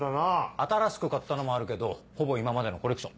新しく買ったのもあるけどほぼ今までのコレクション。